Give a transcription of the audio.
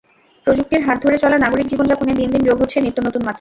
প্রযুক্তির হাত ধরে চলা নাগরিক জীবনযাপনে দিন দিন যোগ হচ্ছে নিত্যনতুন মাত্রা।